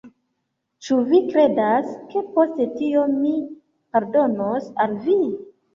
Ĉu vi kredas, ke post tio mi pardonos al vi?